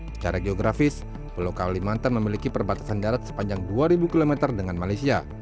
secara geografis pulau kalimantan memiliki perbatasan darat sepanjang dua ribu km dengan malaysia